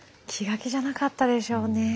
気が気じゃなかったでしょうね。